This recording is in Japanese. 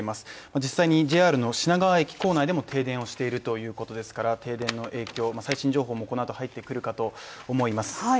実際にＪＲ品川駅構内でも停電しているということですから停電の影響、最新情報もこのあと入ってくるかと思います。